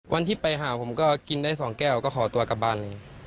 วันที่ไปหาผมก็กินได้๒แก้วก็ขอตัวกลับบ้าน